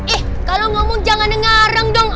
eh kalau ngomong jangan dengar deng dong